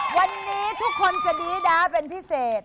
วันนี้ทุกคนจะดีด้าเป็นพิเศษ